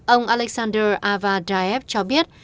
ông alexander avadayev cho biết